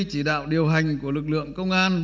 chỉ đạo điều hành của lực lượng công an